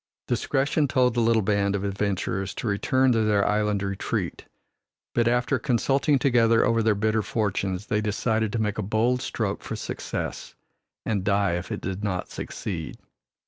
Discretion told the little band of adventurers to return to their island retreat, but after consulting together over their bitter fortunes, they decided to make a bold stroke for success and die if it did not succeed.